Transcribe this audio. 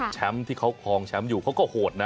แชมป์ที่เขาพองแชมป์อยู่เขาก็โหดนะ